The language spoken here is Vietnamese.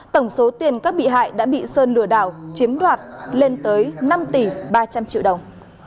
tổng số tiền các bị hại đã bị sơn lừa đảo chiếm đoạt lên tới năm tỷ ba trăm linh triệu đồng